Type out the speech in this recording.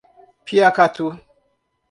Piacatu